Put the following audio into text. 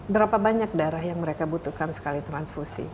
berapa banyak daerah yang mereka butuhkan sekali transfusi